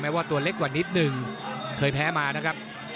ว่าตัวเล็กกว่านิดหนึ่งเคยแพ้มานะครับ